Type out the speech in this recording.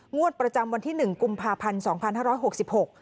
งวดประจำวันที่๑กุมภาพันธุ์๒๕๖๖